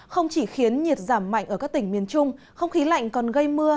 không chỉ khiến nhiệt giảm mạnh ở các tỉnh miền trung không khí lạnh còn gây mưa